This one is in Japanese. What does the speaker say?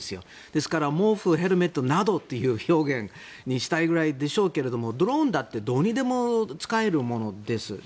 ですから毛布、ヘルメットなどという表現にしたいぐらいでしょうがドローンだってどうにでも使えるものです。